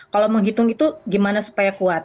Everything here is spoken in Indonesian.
kalau menghitung itu gimana supaya kuat